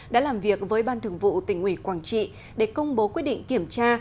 đã làm việc với ban thường vụ tỉnh ủy quảng trị để công bố quyết định kiểm tra